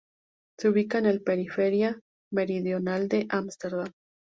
Se ubica en la periferia meridional de Ámsterdam.